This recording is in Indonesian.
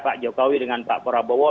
pak jokowi dengan pak prabowo